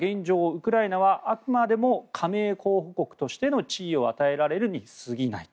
ウクライナはあくまでも加盟候補国としての地位を与えられるに過ぎない。